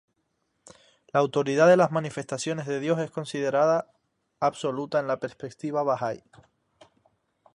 La autoridad de las Manifestaciones de Dios es considerada absoluta en la perspectiva bahá'í.